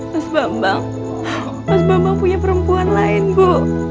mas bambang mas bambang punya perempuan lain bu